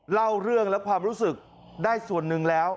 เล่าเรื่องและความรู้สึกได้ส่วนหนึ่งแล้ว